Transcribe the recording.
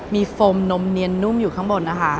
มีโฟมนมเนียนนุ่มอยู่ข้างบนนะคะ